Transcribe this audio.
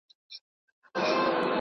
زده کړه د ټولنې اساسي ضرورت دی.